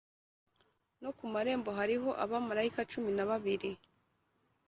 , no ku marembo hariho abamarayika cumi na babiri,